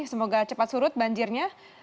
semoga cepat surut banjirnya